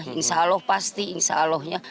insya allah pasti insya allahnya